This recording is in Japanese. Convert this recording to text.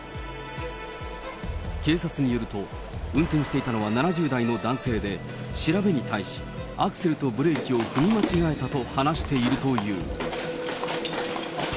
警察によると、運転していたのは７０代の男性で、調べに対し、アクセルとブレーキを踏み間違えたと話しているという。